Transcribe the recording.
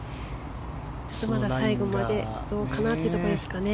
最後までどうかなというところですね。